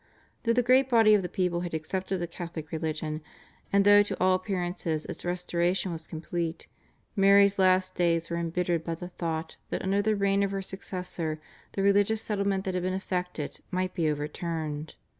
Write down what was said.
Though the great body of the people had accepted the Catholic religion, and though to all appearances its restoration was complete, Mary's last days were embittered by the thought that under the reign of her successor the religious settlement that had been effected might be overturned.